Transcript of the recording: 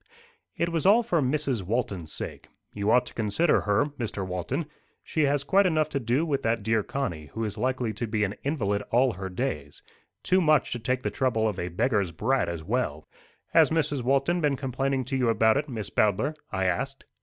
"It was all for Mrs. Walton's sake. You ought to consider her, Mr. Walton. She has quite enough to do with that dear Connie, who is likely to be an invalid all her days too much to take the trouble of a beggar's brat as well." "Has Mrs. Walton been complaining to you about it, Miss Bowdler?" I asked.